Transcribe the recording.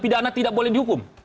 pidana tidak boleh dihukum